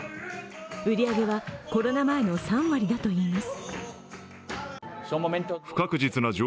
売り上げはコロナ前の３割だといいます。